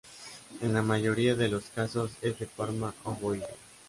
En la mayoría de los casos es de forma ovoide.